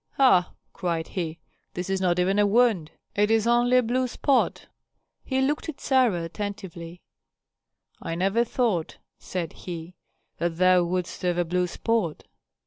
"Ah!" cried he, "this is not even a wound, it is only a blue spot." He looked at Sarah attentively. "I never thought," said he, "that thou wouldst have a blue spot.